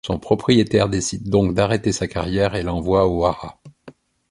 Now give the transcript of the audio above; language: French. Son propriétaire décide donc d'arrêter sa carrière et l'envoie au haras.